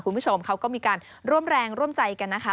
คุณผู้ชมเขาก็มีการร่วมแรงร่วมใจกันนะคะ